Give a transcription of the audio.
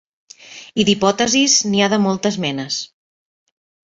I d'hipòtesis n'hi ha de moltes menes.